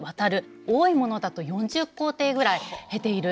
多いものだと４０工程ぐらい経ているそうなんですね。